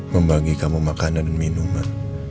membagi kamu makanan dan minuman